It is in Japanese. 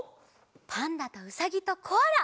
パンダとうさぎとコアラ！